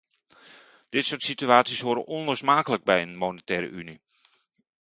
Dit soort situaties horen onlosmakelijk bij een monetaire unie.